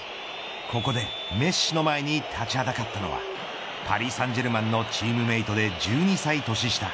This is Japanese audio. ここでメッシの前に立ちはだかったのはパリ・サンジェルマンのチームメートで１２歳年下